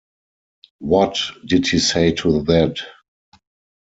What did he say to that?